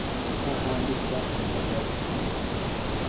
ha handi twakundaga gutinda